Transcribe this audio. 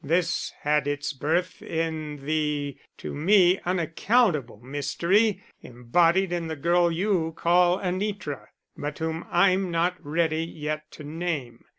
This had its birth in the to me unaccountable mystery embodied in the girl you call Anitra, but whom I'm not ready yet to name.